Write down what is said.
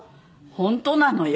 本当なのよ。